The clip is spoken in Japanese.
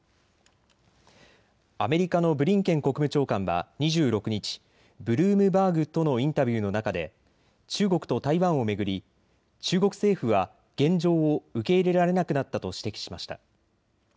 アメリカのブリンケン国務長官は２６日、ブルームバーグとのインタビューの中で中国と台湾を巡り中国政府は現状を受け入れられなくなったと指摘しました。